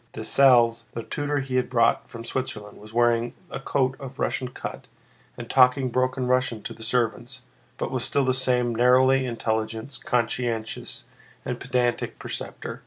Dessalles, the tutor he had brought from Switzerland, was wearing a coat of Russian cut and talking broken Russian to the servants, but was still the same narrowly intelligent, conscientious, and pedantic preceptor.